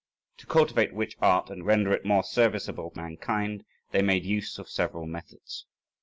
To cultivate which art, and render it more serviceable to mankind, they made use of several methods.